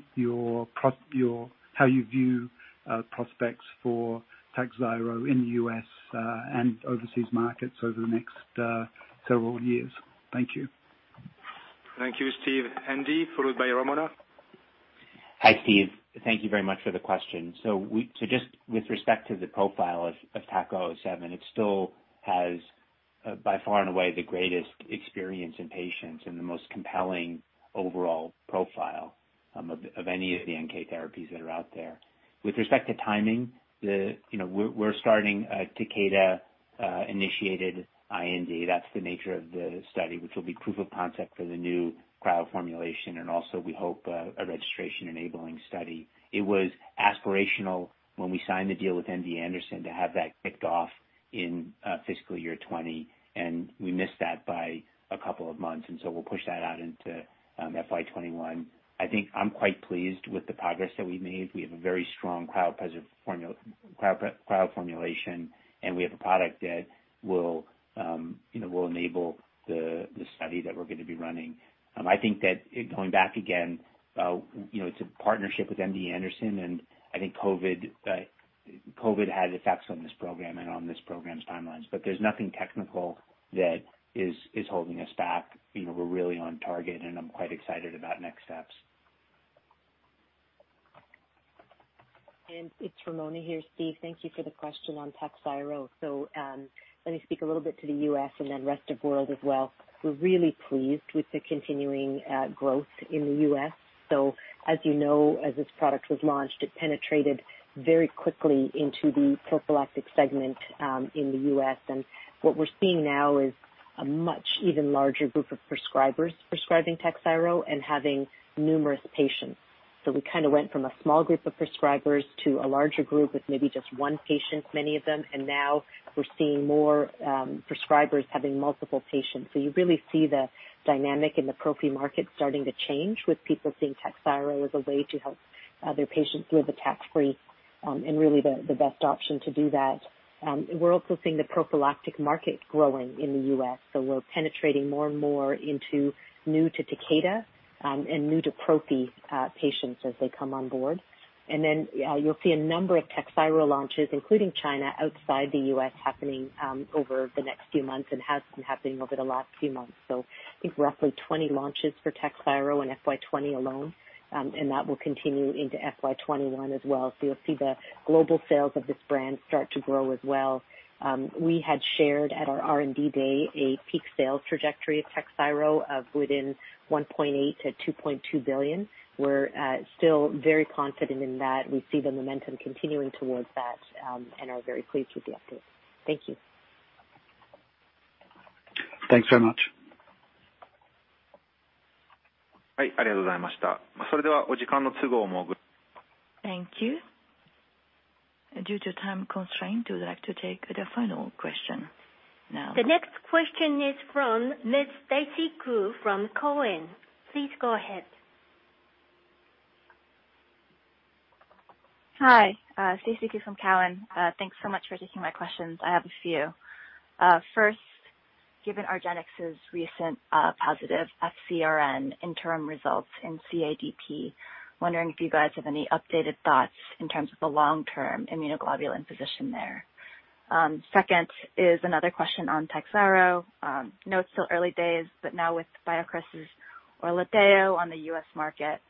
how you view prospects for Takhzyro in the U.S. and overseas markets over the next several years? Thank you. Thank you, Steve. Andy, followed by Ramona. Hi, Steve. Thank you very much for the question. Just with respect to the profile of TAK-007, it still has, by far and away, the greatest experience in patients and the most compelling overall profile of any of the NK therapies that are out there. With respect to timing, we're starting Takeda-initiated IND. That's the nature of the study, which will be proof of concept for the new cryoformulation. We also hope a registration-enabling study. It was aspirational when we signed the deal with MD Anderson to have that kicked off in fiscal year 2020. We missed that by a couple of months. We'll push that out into FY 2021. I think I'm quite pleased with the progress that we've made. We have a very strong cryoformulation, and we have a product that will enable the study that we're going to be running. I think that going back again, it's a partnership with MD Anderson, and I think COVID had effects on this program and on this program's timelines, but there's nothing technical that is holding us back. We're really on target, and I'm quite excited about next steps. It's Ramona here, Steve. Thank you for the question on Takhzyro. So let me speak a little bit to the US and then rest of the world as well. We're really pleased with the continuing growth in the US. So as you know, as this product was launched, it penetrated very quickly into the prophylactic segment in the US. And what we're seeing now is a much even larger group of prescribers prescribing Takhzyro and having numerous patients. So we kind of went from a small group of prescribers to a larger group with maybe just one patient, many of them. And now we're seeing more prescribers having multiple patients. So you really see the dynamic in the prophy market starting to change with people seeing Takhzyro as a way to help their patients with an attack-free and really the best option to do that. We're also seeing the prophylactic market growing in the US. So we're penetrating more and more into new-to-Takeda and new-to-prophy patients as they come on board. And then you'll see a number of Takhzyro launches, including China, outside the US happening over the next few months and has been happening over the last few months. So I think roughly 20 launches for Takhzyro in FY 2020 alone. And that will continue into FY 2021 as well. So you'll see the global sales of this brand start to grow as well. We had shared at our R&D Day a peak sales trajectory of Takhzyro of within $1.8-$2.2 billion. We're still very confident in that. We see the momentum continuing towards that and are very pleased with the update. Thank you. Thanks very much. ありがとうございました。それではお時間の都合も。Thank you. Due to time constraint, we would like to take the final question now. The next question is from Ms. Stacy Ku from Cowen. Please go ahead. Hi. Stacy Ku from Cowen. Thanks so much for taking my questions. I have a few. First, given Argenx's recent positive FcRn interim results in CIDP, wondering if you guys have any updated thoughts in terms of the long-term immunoglobulin position there. Second is another question on Takhzyro. I know it's still early days, but now with BioCryst's Orladeyo on the US market,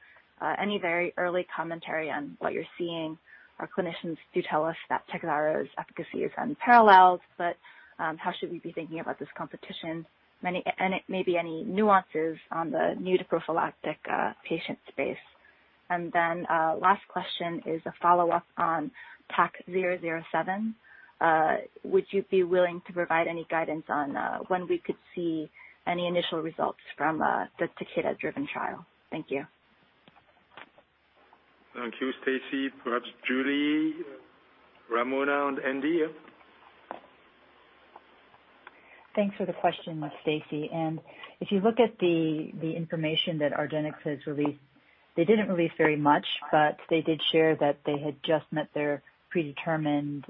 any very early commentary on what you're seeing? Our clinicians do tell us that Takhzyro's efficacy is unparalleled, but how should we be thinking about this competition? And maybe any nuances on the new-to-prophylactic patient space? And then last question is a follow-up on TAK-007. Would you be willing to provide any guidance on when we could see any initial results from the Takeda-driven trial? Thank you. Thank you, Stacy. Perhaps Julie, Ramona, and Andy, yeah? Thanks for the question, Stacy. And if you look at the information that Argenx has released, they didn't release very much, but they did share that they had just met their predetermined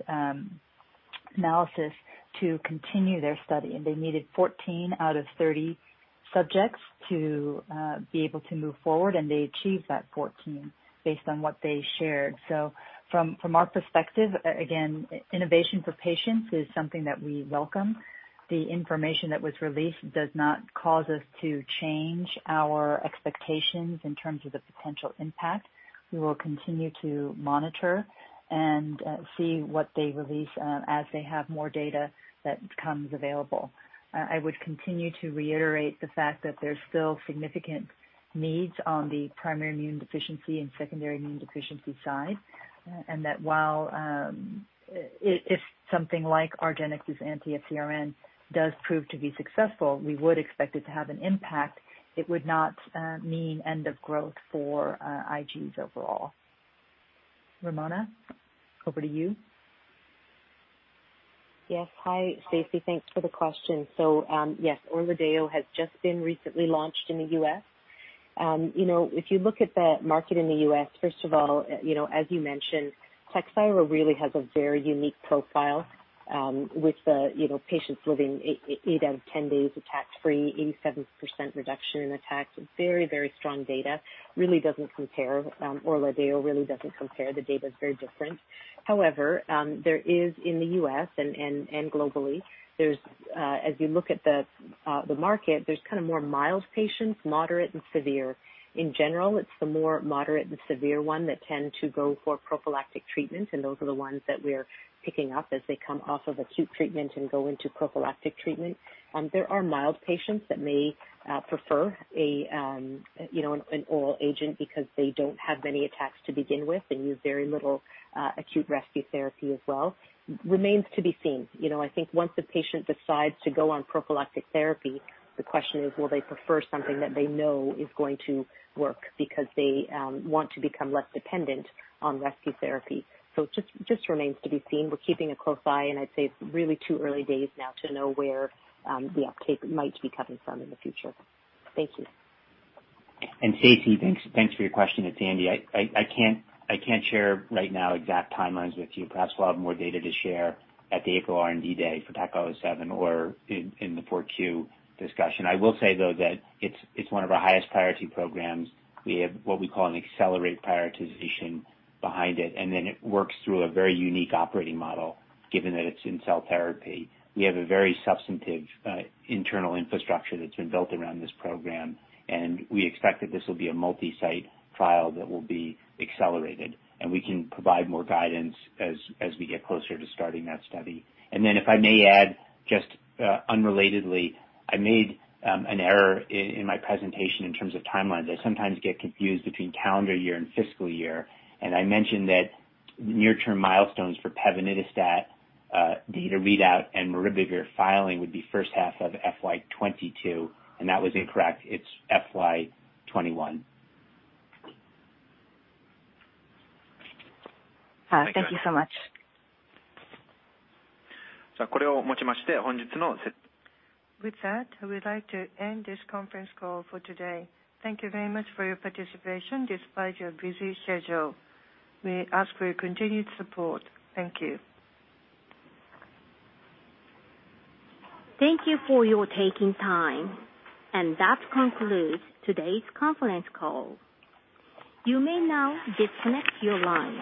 analysis to continue their study. And they needed 14 out of 30 subjects to be able to move forward, and they achieved that 14 based on what they shared, so from our perspective, again, innovation for patients is something that we welcome. The information that was released does not cause us to change our expectations in terms of the potential impact. We will continue to monitor and see what they release as they have more data that becomes available. I would continue to reiterate the fact that there's still significant needs on the primary immune deficiency and secondary immune deficiency side. That while if something like Argenx's anti-FcRn does prove to be successful, we would expect it to have an impact, it would not mean end of growth for IGs overall. Ramona, over to you. Yes. Hi, Stacy. Thanks for the question. So yes, Orladeyo has just been recently launched in the US. If you look at the market in the US, first of all, as you mentioned, Takhzyro really has a very unique profile with patients living eight out of 10 days attack-free, 87% reduction in the attack. Very, very strong data. Really doesn't compare. Orladeyo really doesn't compare. The data is very different. However, there is in the US and globally, as you look at the market, there's kind of more mild patients, moderate, and severe. In general, it's the more moderate and severe one that tend to go for prophylactic treatment. And those are the ones that we're picking up as they come off of acute treatment and go into prophylactic treatment. There are mild patients that may prefer an oral agent because they don't have many attacks to begin with and use very little acute rescue therapy as well. Remains to be seen. I think once the patient decides to go on prophylactic therapy, the question is, will they prefer something that they know is going to work because they want to become less dependent on rescue therapy? So it just remains to be seen. We're keeping a close eye. And I'd say it's really too early days now to know where the uptake might be coming from in the future. Thank you. Stacy, thanks for your question. It's Andy. I can't share right now exact timelines with you. Perhaps we'll have more data to share at the April R&D Day for TAK-007 or in the 4Q discussion. I will say, though, that it's one of our highest priority programs. We have what we call an accelerated prioritization behind it. And then it works through a very unique operating model given that it's in cell therapy. We have a very substantive internal infrastructure that's been built around this program. And we expect that this will be a multi-site trial that will be accelerated. And we can provide more guidance as we get closer to starting that study. And then if I may add, just unrelatedly, I made an error in my presentation in terms of timelines. I sometimes get confused between calendar year and fiscal year. I mentioned that the near-term milestones for Pevonedistat data readout and Maribavir filing would be first half of FY 2022. That was incorrect. It's FY 2021. Thank you so much. じゃあ、これをもちまして、本日の。With that, we'd like to end this conference call for today. Thank you very much for your participation despite your busy schedule. We ask for your continued support. Thank you. Thank you for taking your time. That concludes today's conference call. You may now disconnect your line.